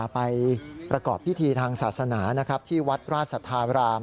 ไปประกอบพิธีทางศาสนาที่วัดราชสัทธาราม